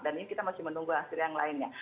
dan ini kita masih menunggu hasil yang lainnya